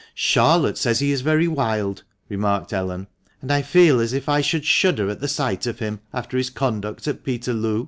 "Charlotte says he is very wild," remarked Ellen, "and I feel as if I should shudder at the sight of him, after his conduct at Peterloo."